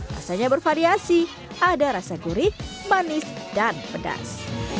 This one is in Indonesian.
rasanya bervariasi ada rasa gurih manis dan pedas